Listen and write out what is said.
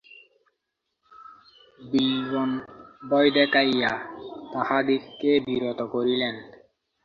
বিল্বন ভয় দেখাইয়া তাহাদিগকে বিরত করিলেন।